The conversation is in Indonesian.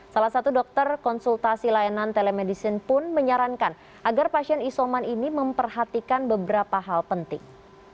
salah satu dokter konsultasi layanan telemedicine pun menyarankan agar pasien isoman ini memperhatikan beberapa hal penting